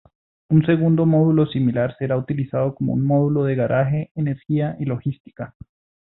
Un segundo módulo similar será utilizado como un módulo de garaje, energía y logística.